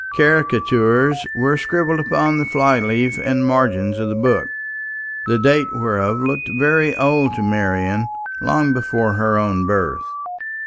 Caricatures were scribbled upon the fly leaves and margins of the books, the date whereof looked very old to Marian, long before her own birth.